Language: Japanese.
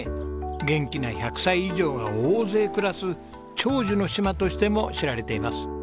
元気な１００歳以上が大勢暮らす長寿の島としても知られています。